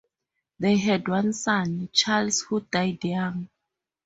They had one son, Charles, who died young.